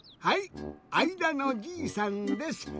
あいだのじいさんです。